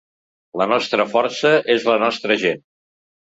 La nostra força és la nostra gent.